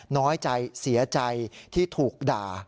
น้อยใจเสียใจที่ถูกด่า